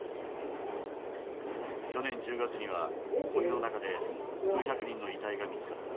去年１０月には森の中で数百人の遺体が見つかった。